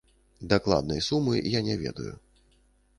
Дакладнай сумы я не ведаю.